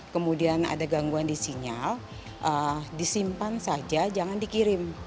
kemudian ada gangguan di sinyal disimpan saja jangan dikirim